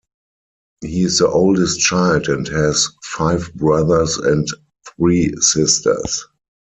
He is the oldest child and has five brothers and three sisters.